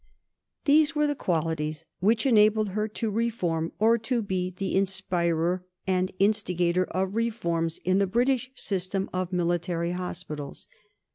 These were the qualities which enabled her to reform, or to be the inspirer and instigator of reforms in, the British system of military hospitals.